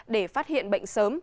để phát hiện bệnh sớm